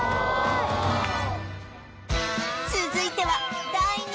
続いては